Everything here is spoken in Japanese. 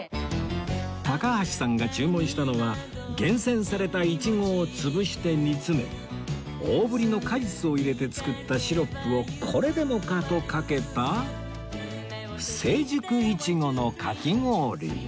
高橋さんが注文したのは厳選されたいちごを潰して煮詰め大ぶりの果実を入れて作ったシロップをこれでもかとかけた生熟いちごのかき氷